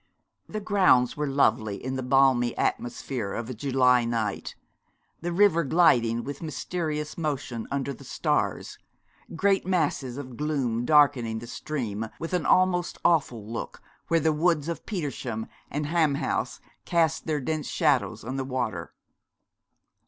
The grounds were lovely in the balmy atmosphere of a July night, the river gliding with mysterious motion under the stars, great masses of gloom darkening the stream with an almost awful look where the woods of Petersham and Ham House cast their dense shadows on the water.